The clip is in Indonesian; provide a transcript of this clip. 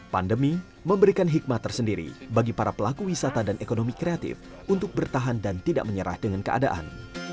pandemi memberikan hikmat tersendiri bagi para pelaku wisata dan ekonomi kreatif untuk bertahan dan tidak menyerah dengan keadaan